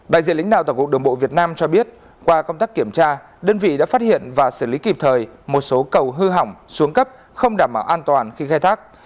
đại diện lãnh đạo tổng cục đường bộ việt nam cho biết qua công tác kiểm tra đơn vị đã phát hiện và xử lý kịp thời một số cầu hư hỏng xuống cấp không đảm bảo an toàn khi khai thác